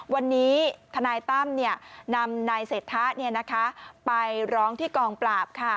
วันนี้ทนายตั้มนำนายเศรษฐะไปร้องที่กองปราบ